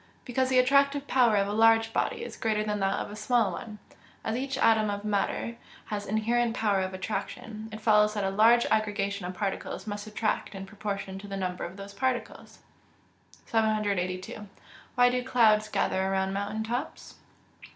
_ Because the attractive power of a large body is greater than that of a small one. As each atom of matter has inherent power of attraction, it follows that a large aggregation of particles must attract in proportion to the number of those particles. 782. _Why do clouds gather around mountain tops?